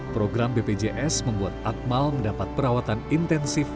program bpjs membuat akmal mendapat perawatan intensif